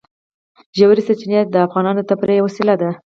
ژورې سرچینې د افغانانو د تفریح یوه وسیله ده.